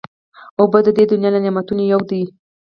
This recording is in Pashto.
اوبه د دنیا له نعمتونو یو دی.